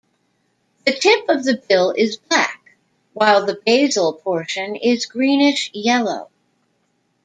The tip of the bill is black while the basal portion is greenish yellow.